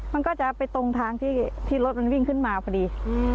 มันก็จะไปตรงทางที่รถมันวิ่งขึ้นมาพอดี